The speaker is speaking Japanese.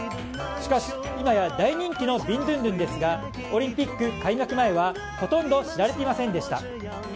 しかし今や大人気のビンドゥンドゥンですがオリンピック開幕前はほとんど知られていませんでした。